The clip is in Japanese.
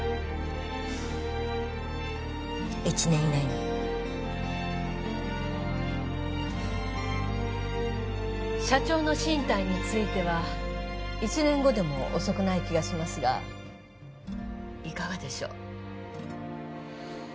１年以内に社長の進退については１年後でも遅くない気がしますがいかがでしょう？